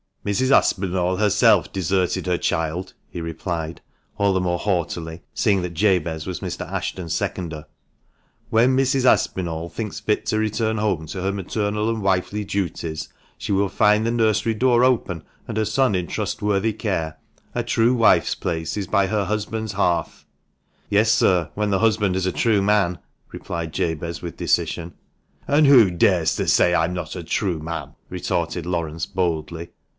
" Mrs. Aspinall herself deserted her child," he replied, all the more haughtily, seeing that Jabez was Mr. Ashton's seconder. " When Mrs. Aspinall thinks fit to return home to her maternal and wifely 43° THE MANCHESTER MAN. duties, she will find the nursery door open, and her son in trustworthy care. A true wife's place is by her husband's hearth." "Yes, sir, when the husband is a true man," replied Jabez, with decision. "And who dares to say I am not a true man?" retorted Laurence boldly.